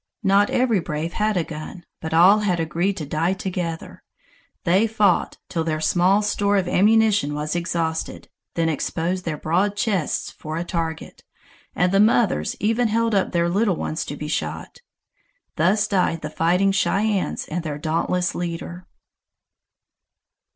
Not every brave had a gun, but all had agreed to die together. They fought till their small store of ammunition was exhausted, then exposed their broad chests for a target, and the mothers even held up their little ones to be shot. Thus died the fighting Cheyennes and their dauntless leader.